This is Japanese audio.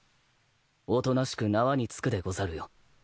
おとなしく縄につくでござるよ。